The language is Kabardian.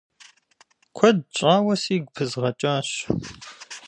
Куэд щӏауэ сигу пызгъэкӏащ.